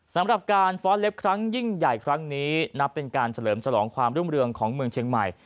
สำหรับการฟ้อนเล็บครั้งยิ่งใหญ่ครั้งนี้นับเป็นการเฉลิมฉลองความรุ่งเรืองของเมืองเชียงใหม่